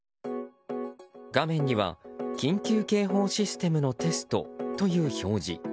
画面には緊急警報システムのテストという表示。